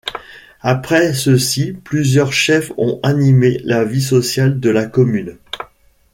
Après ceux-ci plusieurs chefs ont animé la vie sociale de la commune.